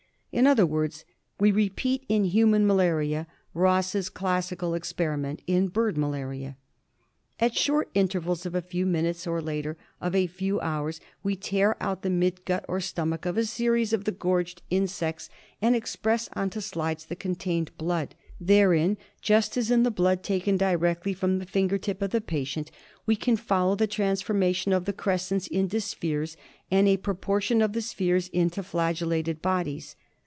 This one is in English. In other words, we repeat in human malaria Ross's classical experiment in bird malaria. ^V~ At short intervals of a few minutes, or, later, of a few hours, we tear out the midgut or stomach of a series of the gorged insects and express on to slides the contained blood. Therein, just as in the blood taken directly from the finger tip of the patient, we can follow the transforma tion of the crescents into spheres, and a proportion of the spheres into flagellated bodies.